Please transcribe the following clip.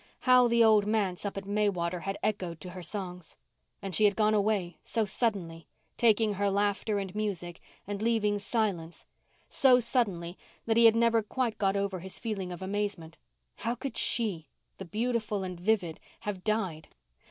How the old manse up at Maywater had echoed to her songs! And she had gone away so suddenly, taking her laughter and music and leaving silence—so suddenly that he had never quite got over his feeling of amazement. How could she, the beautiful and vivid, have died?